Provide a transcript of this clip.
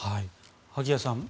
萩谷さん